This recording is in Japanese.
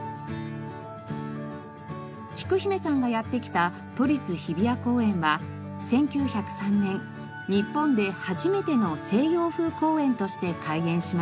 きく姫さんがやって来た都立日比谷公園は１９０３年日本で初めての西洋風公園として開園しました。